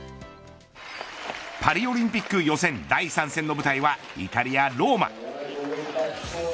パリオリンピック予選第３戦の舞台はイタリア、ローマ。